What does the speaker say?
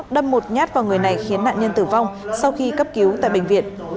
đâm một nhát vào người này khiến nạn nhân tử vong sau khi cấp cứu tại bệnh viện